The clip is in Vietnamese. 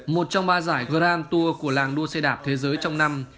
một trong ba giải gran tour của làng đua xe đạp thế giới trong năm